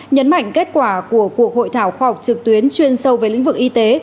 nhấn mạnh kết quả của cuộc hội thảo khoa học trực tuyến chuyên sâu về lĩnh vực y tế